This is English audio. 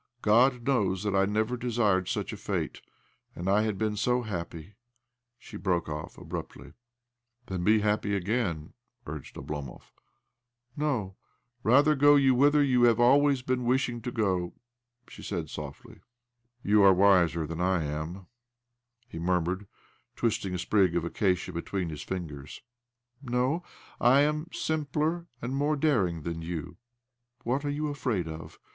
God knowsl that I never desired such a fate I And I had been so happy !" She broke off abruptly. " Then be happy again," urged Oblomov.. ' "No. Rather, go you whither you have always been wishing to go," she said softly.; " You are wiser than I am," he murmlired, twisting a sprig of acacia between his fingers. " No, I am simpler and more daring than you. What are you afraid of?